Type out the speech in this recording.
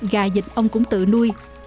gà dịch ông cũng tự nuôi